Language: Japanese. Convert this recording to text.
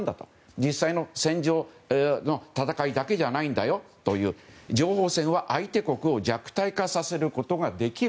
実際の戦場の戦いだけじゃないんだよという情報戦は、相手国を弱体化させることができる。